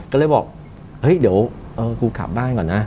ก็เลยบอกเฮ้ยเดี๋ยวกูกลับบ้านก่อนนะ